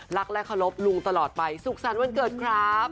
เคารพลุงตลอดไปสุขสรรค์วันเกิดครับ